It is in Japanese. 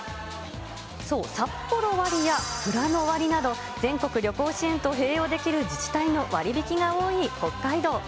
そう、サッポロ割やふらの割など、全国旅行支援と併用できる自治体の割引が多い北海道。